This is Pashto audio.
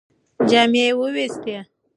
جامې یې ووېستې.